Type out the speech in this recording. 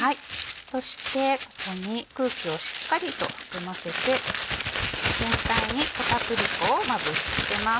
そしてここに空気をしっかりと含ませて全体に片栗粉をまぶし付けます。